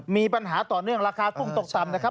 มีปัญหาต่อเนื่องราคากุ้งตกต่ำนะครับ